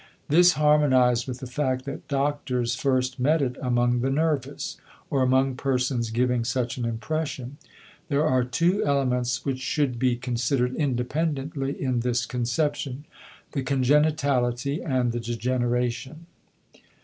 This harmonized with the fact that doctors first met it among the nervous, or among persons giving such an impression. There are two elements which should be considered independently in this conception: the congenitality, and the degeneration.